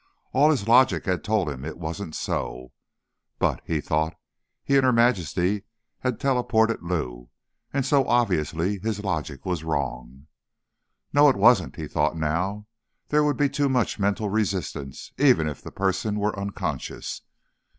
All his logic had told him it wasn't so. But, he'd thought, he and Her Majesty had teleported Lou, and so, obviously, his logic was wrong. No, it wasn't, he thought now. There would be too much mental resistance, even if the person were unconscious.